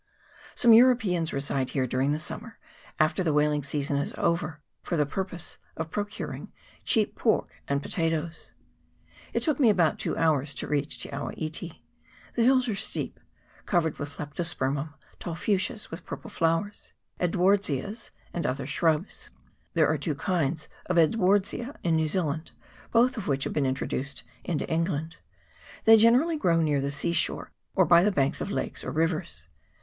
Some Europeans reside here during the summer, after the whaling season is over, for the purpose of procuring cheap pork and potatoes. It took me about two hours to reach Te awa iti. The hills are steep, covered with leptospermum, tall fuchsias with purple flowers, Edwardsias, and other shrubs. There are two kinds of Edwardsia in New Zealand, both of which have been introduced into England : they generally grow near the sea shore, or by the banks of lakes or rivers.